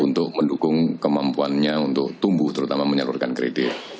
untuk mendukung kemampuannya untuk tumbuh terutama menyalurkan kredit